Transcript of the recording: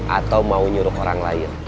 atau mau nyuruh orang lain